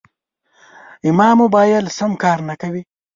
زما موبایل سم کار نه کوي.